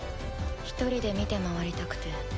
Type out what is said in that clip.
一人で見て回りたくて。